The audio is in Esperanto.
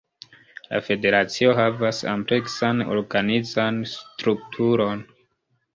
La federacio havas ampleksan organizan strukturon.